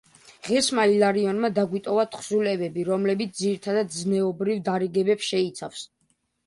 ღირსმა ილარიონმა დაგვიტოვა თხზულებები, რომლებიც ძირითადად ზნეობრივ დარიგებებს შეიცავს.